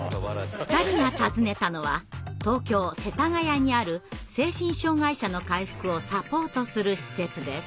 ２人が訪ねたのは東京・世田谷にある精神障害者の回復をサポートする施設です。